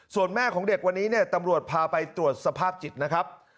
ส่วนแม่ของเด็กวันนี้เนี่ยตำรวจพาไปตรวจสภาพจิตนะครับ